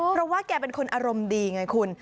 เพราะว่าแกเป็นคนอารมณ์ดีไงคุณ